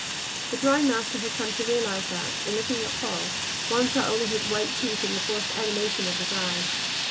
The drawing master had come to realize that, in looking at Paul, one saw only his white teeth and the forced animation of his eyes.